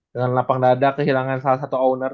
dengan lapang dada kehilangan salah satu owner